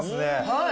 はい！